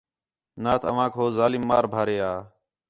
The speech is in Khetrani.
نات اوانک ہو ظالم مار بھارے ہا